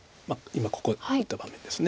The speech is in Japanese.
今ここ打った場面です。